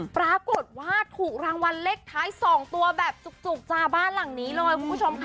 ปรากฏว่าถูกรางวัลเลขท้าย๒ตัวแบบจุกจ้าบ้านหลังนี้เลยคุณผู้ชมค่ะ